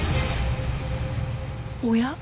おや？